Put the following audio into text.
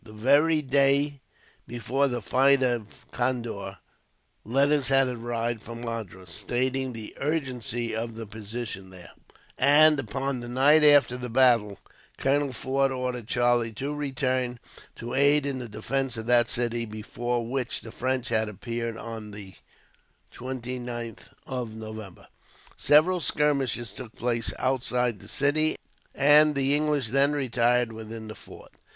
The very day before the fight of Condore, letters had arrived from Madras, stating the urgency of the position there; and, upon the night after the battle, Colonel Forde ordered Charlie to return to aid in the defence of that city, before which the French had appeared on the 29th of November. Several skirmishes took place outside the city, and the English then retired within the fort.